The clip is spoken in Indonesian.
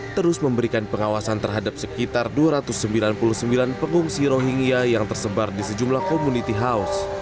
terus memberikan pengawasan terhadap sekitar dua ratus sembilan puluh sembilan pengungsi rohingya yang tersebar di sejumlah community house